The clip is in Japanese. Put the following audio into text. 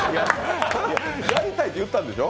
やりたいって言ったんでしょ？